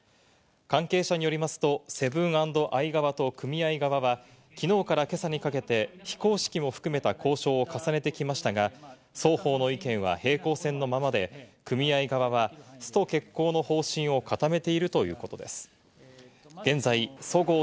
関係者によりますと、セブン＆アイ側と組合側はきのうから今朝にかけて非公式も含めた交渉を重ねてきましたが、双方の意見は平行線のままで、組合側はスト決行の方針を固めているということです。